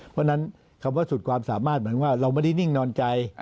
เพราะฉะนั้นคำว่าสุดความสามารถเหมือนว่าเราไม่ได้นิ่งนอนใจ